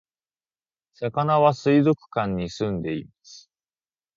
さかなは水族館に住んでいます